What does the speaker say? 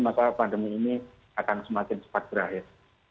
maka pandemi ini akan semakin cepat berakhir